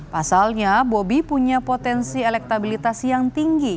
pasalnya bobi punya potensi elektabilitas yang tinggi